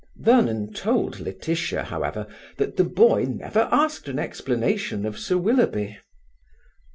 Vernon told Laetitia, however, that the boy never asked an explanation of Sir Willoughby.